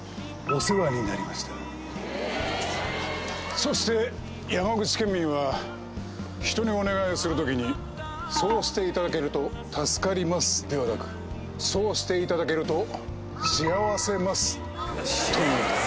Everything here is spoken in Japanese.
そして山口県民は人にお願いをする時に「そうしていただけると助かります」ではなく「そうしていただけると幸せます」と言うんだ。